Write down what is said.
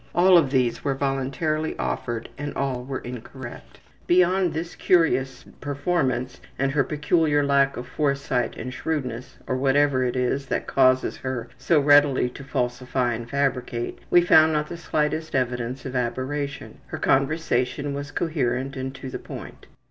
All of these were voluntarily offered and all were incorrect. Beyond this curious performance, and her peculiar lack of foresight and shrewdness, or whatever it is that causes her so readily to falsify and fabricate, we found not the slightest evidence of aberration. Her conversation was coherent and to the point.